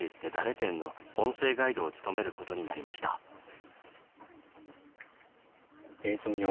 展」の音声ガイドを務めることになりましたんんん。